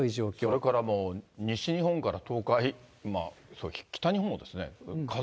それから西日本から東海、北日本もですね、風